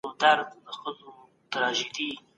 الله تعالی انسان ته شهواني غريزه ورکړې ده